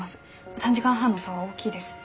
３時間半の差は大きいです。